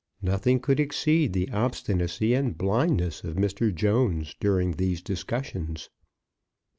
Nothing could exceed the obstinacy and blindness of Mr. Jones during these discussions.